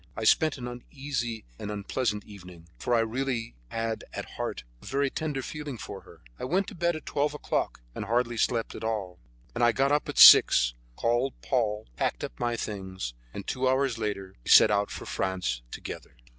I spent an uneasy and unpleasant evening, for I really had at heart a very tender feeling for her. I went to bed at twelve o'clock, and hardly slept at all. I got up at six, called Paul, packed up my things, and two hours later we set out for France together.